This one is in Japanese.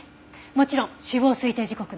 もちろん死亡推定時刻の。